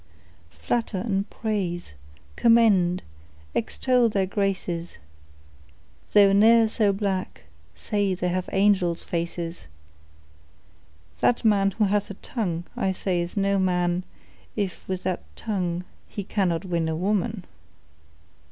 Flatter and praise, commend, extol their graces, Though ne'er so black, say they have angels' faces, That man who hath a tongue I say is no man, If with that tongue he cannot win a woman.